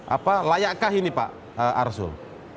apa layakkah ini pak arsul